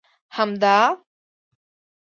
همدا!